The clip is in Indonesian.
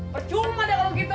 percuma deh kalau gitu